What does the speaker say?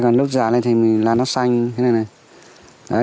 còn lúc già lên thì lá nó xanh thế này này